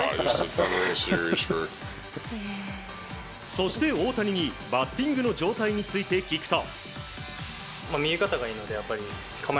そして、大谷にバッティングの状態について聞くと。